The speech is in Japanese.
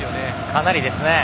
かなりですね。